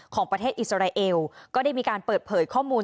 ของประเทศอิสราเอลก็ได้มีการเปิดเผยข้อมูล